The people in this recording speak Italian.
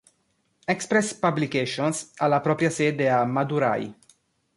Express Publications ha la propria sede a Madurai.